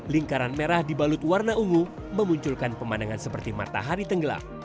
lingkaran merah dibalut warna ungu memunculkan pemandangan seperti matahari tenggelam